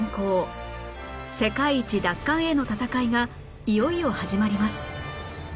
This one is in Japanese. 世界一奪還への戦いがいよいよ始まります